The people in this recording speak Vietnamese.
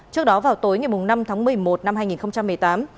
trước đó vào tối ngày năm tháng một mươi một năm hai nghìn một mươi tám